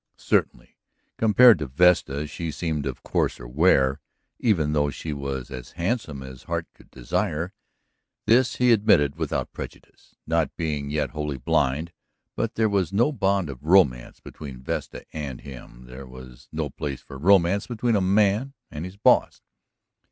Certainly, compared to Vesta, she seemed of coarser ware, even though she was as handsome as heart could desire. This he admitted without prejudice, not being yet wholly blind. But there was no bond of romance between Vesta and him. There was no place for romance between a man and his boss.